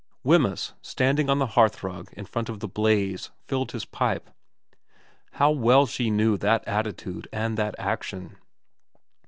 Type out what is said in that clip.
Wemyss, standing on the hearthrug in front of the blaze, filled his pipe. How well she knew that attitude and that action.